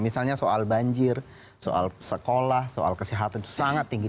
misalnya soal banjir soal sekolah soal kesehatan itu sangat tinggi